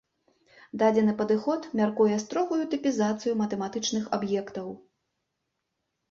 Дадзены падыход мяркуе строгую тыпізацыю матэматычных аб'ектаў.